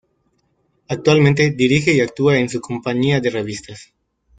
Actualmente, dirige y actúa en su "compañía de revistas".